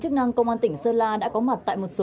chức năng công an tỉnh sơn la đã có mặt tại một số